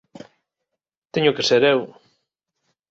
Teño que ser eu.